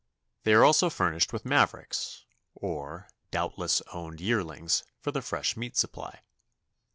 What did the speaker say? They are also furnished with mavericks, or "doubtless owned" yearlings, for the fresh meat supply.